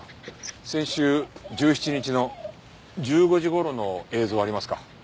先週１７日の１５時頃の映像ありますか？